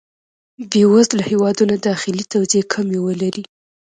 بې وزله هېوادونه داخلي توزېع کمی ولري.